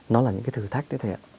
nó là những cái thử thách đấy thầy ạ